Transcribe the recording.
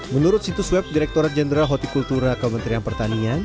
menurut situs web direkturat jenderal hoti kultura kementerian pertanian